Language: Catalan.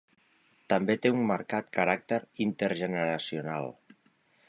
També té un marcat caràcter intergeneracional.